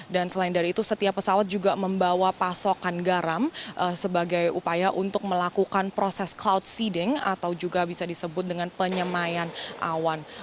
dan selain dari itu setiap pesawat juga membawa pasokan garam sebagai upaya untuk melakukan proses cloud seeding atau juga bisa disebut dengan penyemayan awan